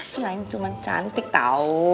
selain cuma cantik tau